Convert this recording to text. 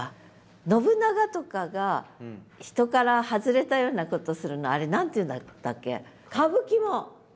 信長とかが人から外れたようなことをするのあれ何て言うんだったっけ？